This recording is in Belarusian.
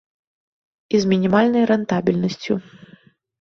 І з мінімальнай рэнтабельнасцю.